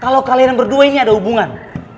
kalau kalian berdua ini ada hubungan